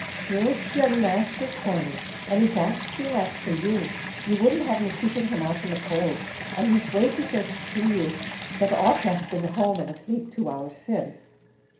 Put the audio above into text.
"Shure it's the young masther, Corney, and he axing afther you; you wouldn't have me keeping him out in the cowld, and he waiting there to see you that ought to have been at home and asleep two hours since."